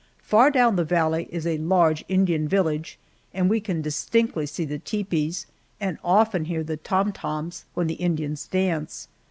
Far down the valley is a large Indian village, and we can distinctly see the tepees, and often hear the "tom toms" when the Indians dance.